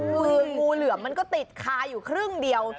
คืองูเหลือมมันก็ติดคาอยู่ครึ่งเดียว